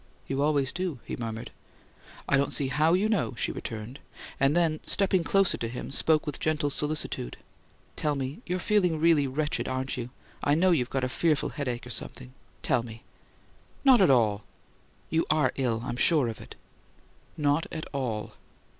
"You always do," he murmured. "I don't see how you know," she returned; and then stepping closer to him, spoke with gentle solicitude: "Tell me: you're really feeling wretchedly, aren't you? I know you've got a fearful headache, or something. Tell me!" "Not at all." "You are ill I'm sure of it." "Not at all."